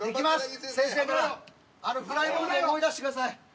先生あのフライボード思い出してください。